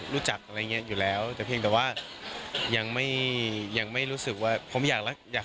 รู้จักอะไรเนี่ยอยู่แล้วแต่ว่ายังไม่ยังไม่รู้สึกว่าผมอยากรักอยาก